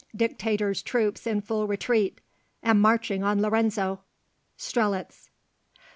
Dictator's troops in full retreat. Am marching on Lorenzo. Strelitz.